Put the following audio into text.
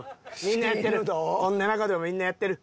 こんな中でもみんなやってる。